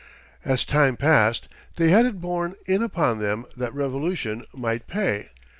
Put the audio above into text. As time passed they had it borne in upon them that revolution might pay.